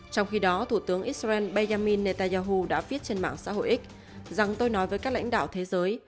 trong khi đó thủ tướng israel benjamin netanyahu đã viết trên mạng xã hội x rằng tôi nói với các lãnh đạo thế giới